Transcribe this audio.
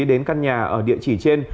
đến căn nhà ở địa chỉ trên